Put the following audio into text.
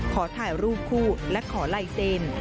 ขอถ่ายรูปคู่และขอลายเซ็น